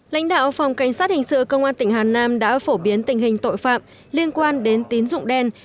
lãnh đạo phòng cảnh sát hình sự công an tỉnh hà nam đã phổ biến tình hình tội phạm liên quan đến tín dụng đen